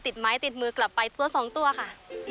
ติดไม้ติดมือกลับไปตัวสองตัวค่ะ